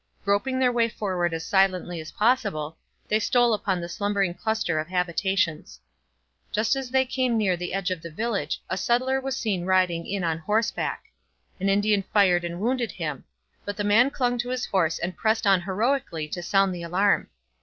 Groping their way forward as silently as possible, they stole upon the slumbering cluster of habitations. Just as they came near the edge of the village, a settler was seen riding in on horseback. An Indian fired and wounded him. But the man clung to his horse and pressed on heroically to sound the alarm.